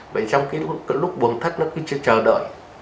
vậy trong cái lúc buồn thất nó cứ chờ đợi